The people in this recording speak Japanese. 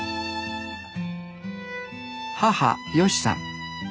母好さん。